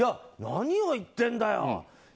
何を言ってるんだよ